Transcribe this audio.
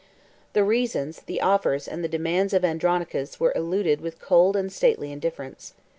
The reasons, the offers, and the demands, of Andronicus were eluded with cold and stately indifference.